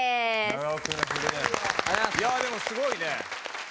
いやでもすごいね。